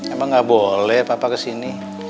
emang nggak boleh papa kesini